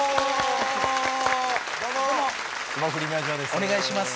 お願いします。